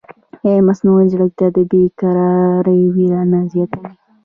ایا مصنوعي ځیرکتیا د بېکارۍ وېره نه زیاتوي؟